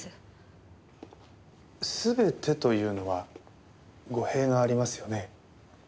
全てというのは語弊がありますよね。